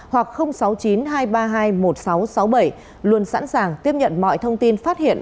hoặc sáu mươi chín hai trăm ba mươi hai một nghìn sáu trăm sáu mươi bảy luôn sẵn sàng tiếp nhận mọi thông tin phát hiện